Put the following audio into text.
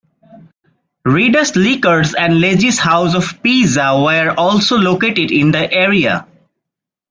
Reda's Liquors and Lizzi's House of Pizza were also located in the area.